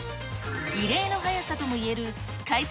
異例の早さともいえる開設